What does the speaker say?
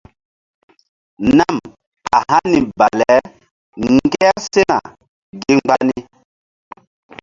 Nam a hani bale ŋger sena gi mgba ni.